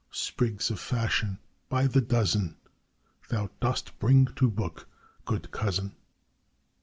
Sprigs of fashion by the dozen Thou dost bring to book, good cousin.